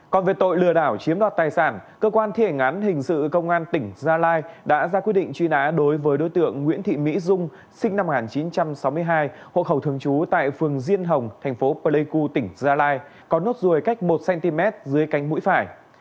còn về tội lừa đảo chiếm đoạt tài sản cơ quan thi hành án hình sự công an tỉnh gia lai đã ra quyết định truy nã đối với đối tượng nguyễn thị mỹ dung sinh năm một nghìn chín trăm sáu mươi hai hộ khẩu thường trú tại phường diên hồng thành phố pleiku tỉnh gia lai có nốt ruồi cách một cm dưới canh mũi phải